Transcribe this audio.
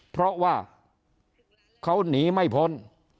เพราะว่าเขาหนีไม่พ้น